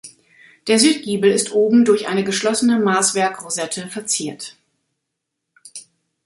Der Südgiebel ist oben durch eine geschlossene Maßwerk-Rosette verziert.